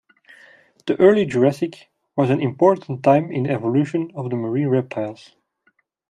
The Early Jurassic was an important time in the evolution of the marine reptiles.